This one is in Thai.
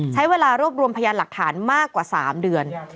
ใช้เวลารวบรวมพยานหลักฐานมากกว่า๓เดือน